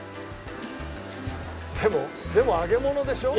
でもでも揚げ物でしょ？